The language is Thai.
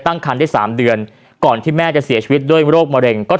ตั้งคันได้สามเดือนก่อนที่แม่จะเสียชีวิตด้วยโรคมะเร็งก็